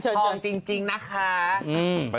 หันที่ทองจริงจริงนะคะ